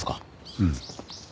うん。